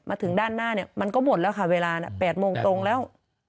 มาถึงด้านหน้าเนี่ยมันก็หมดแล้วค่ะเวลา๘โมงตรงแล้ว